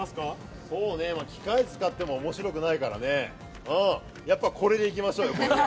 機械を使ったら面白くないから、やっぱりこれでいきましょうよ。